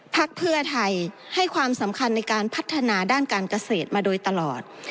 เพื่อไทยให้ความสำคัญในการพัฒนาด้านการเกษตรมาโดยตลอด